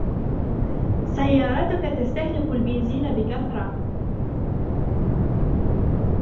سيارتك تستهلك البنزين بكثرة.